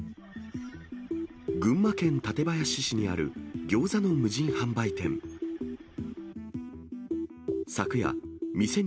群馬県館林市にあるギョーザの無人販売店。